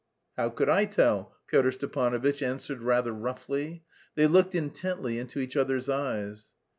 "How could I tell?" Pyotr Stepanovitch answered rather roughly. They looked intently into each other's eyes.